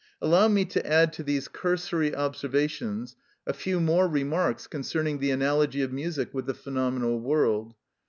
Allow me to add to these cursory observations a few more remarks concerning the analogy of music with the phenomenal world.